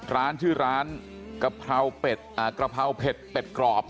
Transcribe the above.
ร้านชื่อร้านกระเพราเผ็ดกรอบ